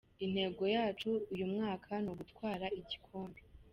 Intego yacu uyu mwaka ni ugutwara igikombe.